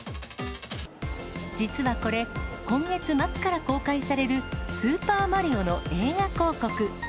実はこれ、今月末から公開されるスーパーマリオの映画広告。